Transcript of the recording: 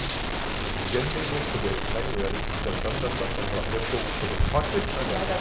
だって伝令ごっこで「何をやれ」って言ったらだんだんだんだんほら電報ごっこで変わってっちゃうじゃないですか。